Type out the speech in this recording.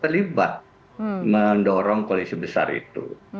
terlibat mendorong koalisi besar itu